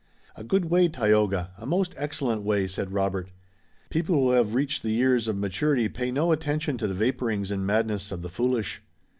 "A good way, Tayoga, a most excellent way," said Robert. "People who have reached the years of maturity pay no attention to the vaporings and madness of the foolish."